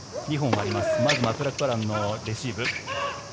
まずマクラクランのレシーブ。